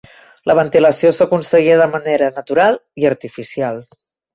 La ventilació s'aconseguia de manera natural i artificial.